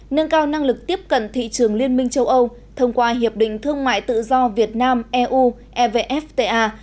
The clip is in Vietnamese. nâng cao năng lực tiếp cận thị trường liên minh châu âu thông qua hiệp định thương mại tự do việt nam eu evfta